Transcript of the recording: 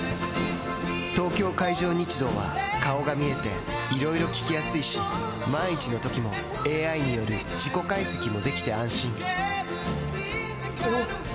東京海上日動は顔が見えていろいろ聞きやすいし万一のときもＡＩによる事故解析もできて安心おぉ！